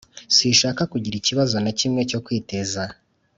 Sinshaka kugira ikibazo na kimwe cyo kwiteza